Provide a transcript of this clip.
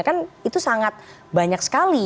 kan itu sangat banyak sekali